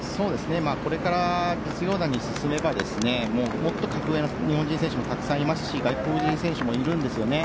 これから実業団に進めばもっと格上の日本人選手もたくさんいますし外国人選手もいるんですよね。